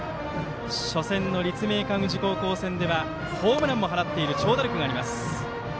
初戦の立命館宇治高校戦ではホームランも放っている長打力があります。